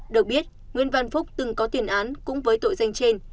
được biết nguyễn văn phúc từng có tiền án cũng với tội danh trên